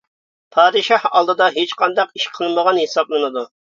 پادىشاھ ئالدىدا ھېچقانداق ئىش قىلمىغان ھېسابلىنىدۇ.